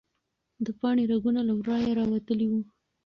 د پاڼې رګونه له ورایه راوتلي وو.